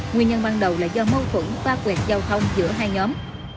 nguyên nhân ban đầu là do mâu thuẫn va quẹt giao thông giữa hai nhóm